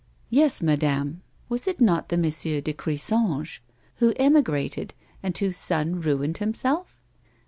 " Yes, madame ; was it not the M. de Crisange who emi grated, and whose'son ruined himself?"